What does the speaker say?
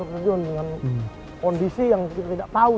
terjun dengan kondisi yang kita tidak tahu